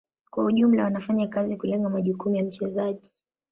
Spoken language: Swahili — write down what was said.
Kwa ujumla wanafanya kazi kulenga majukumu ya mchezaji.